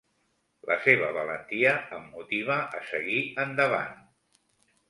La seva valentia em motiva a seguir endavant.